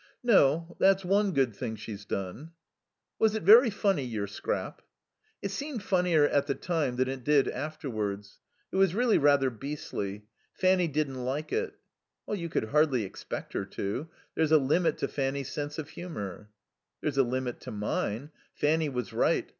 "No. That's one good thing she's done." "Was it very funny, your scrap?" "It seemed funnier at the time than it did afterwards. It was really rather beastly. Fanny didn't like it." "You could hardly expect her to. There's a limit to Fanny's sense of humour." "There's a limit to mine. Fanny was right.